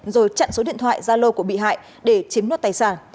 rồi chặn số điện thoại zalo của bị hại để chiếm đất tài sản